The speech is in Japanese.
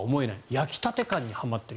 焼きたて感にはまっている。